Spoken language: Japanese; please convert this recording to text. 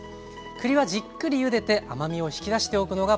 栗はじっくりゆでて甘みを引き出しておくのがポイント。